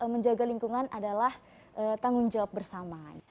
menjaga lingkungan adalah tanggung jawab bersama